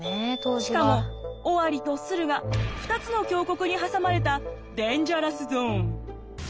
しかも尾張と駿河２つの強国に挟まれたデンジャラスゾーン。